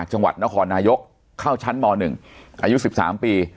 จังหวัดนครนายกเข้าชั้นหมอหนึ่งอายุสิบสามปี